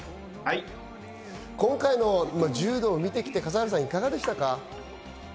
今回の柔道を見てきていかがでしたか？